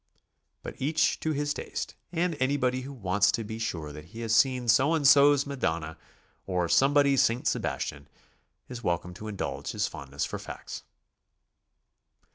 But each to his taste, and anybody w<ho wants to be sure that he has seen So and So's Madonna, or Somebody's St. Sebastian, is welcome to indulge his fondness for facts.